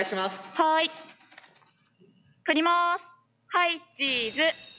はいチーズ。